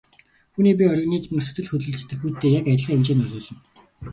Хүний бие организм нь сэтгэл хөдлөлд сэтгэхүйтэй яг адилхан хэмжээнд нөлөөлнө.